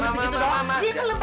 masih cuma segitu doang